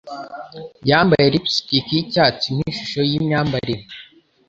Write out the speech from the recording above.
Yambaye lipstick yicyatsi nkishusho yimyambarire.